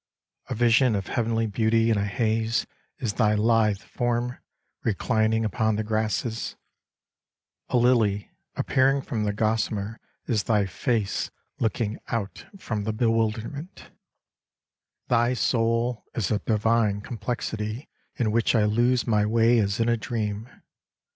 A vision of heavenly beauty in a haze Is thy lithe form reclining upon the grasses ; A lily appearing from the gossamer Is thy feice looking out from the bewilderment ; Homekoioba 53 Thy soul IS a divine complexity In which I lose my way as in a dream.